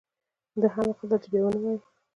ده هم وخندل چې بیا و نه وایې.